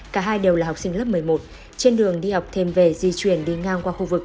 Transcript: cả hai đều là học sinh lớp một mươi một trên đường đi học thêm về di chuyển đi ngang qua khu vực